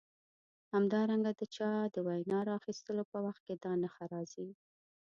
همدارنګه د چا د وینا د راخیستلو په وخت کې دا نښه راځي.